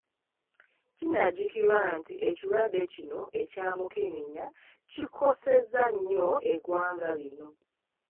Kinajjukirwa nti ekirwadde kino ekya Mukenenya kikosezza nnyo eggwanga lino.